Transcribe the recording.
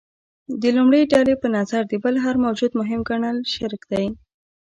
د لومړۍ ډلې په نظر د بل هر موجود مهم ګڼل شرک دی.